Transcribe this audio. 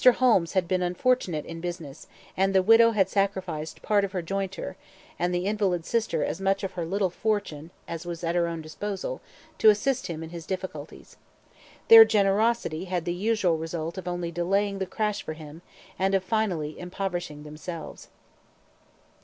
Holmes had been unfortunate in business, and the widow had sacrificed part of her jointure, and the invalid sister as much of her little fortune as was at her own disposal, to assist him in his difficulties. Their generosity had the usual result of only delaying the crash for him, and of finally impoverishing themselves.